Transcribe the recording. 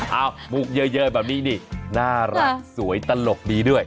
มุกเยอะแบบนี้นี่น่ารักสวยตลกดีด้วย